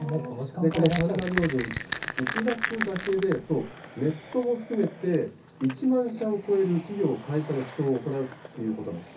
神田明神、１月だけで、ネットも含めて、１万社を超える企業、会社の祈とうを行うということなんですね。